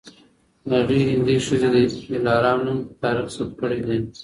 هغې هندۍ ښځې د دلارام نوم په تاریخ کي ثبت کړی دی